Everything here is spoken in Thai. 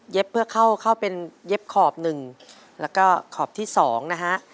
เพื่อเข้าเป็นเย็บขอบหนึ่งแล้วก็ขอบที่๒นะฮะ